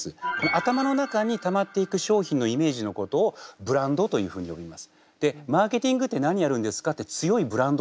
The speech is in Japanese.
頭の中にたまっていく商品のイメージのことをブランドというふうに呼びます。